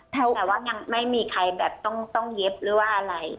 แต่ว่ายังไม่มีใครแบบต้องเย็บหรือว่าอะไร